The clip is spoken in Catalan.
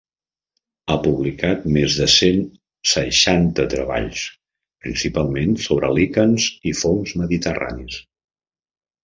Ha publicat més de cent seixanta treballs, principalment sobre líquens i fongs mediterranis.